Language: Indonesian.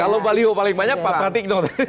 kalau baliho paling banyak pak pratikno